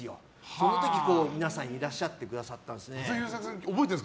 その時、皆さんいらっしゃってくださったんですね。